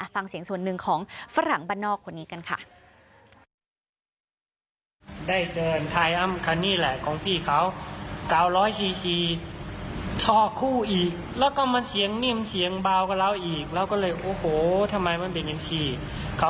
ฟังเสียงส่วนหนึ่งของฝรั่งบ้านนอกคนนี้กันค่ะ